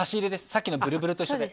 さっきのブルブルと一緒で。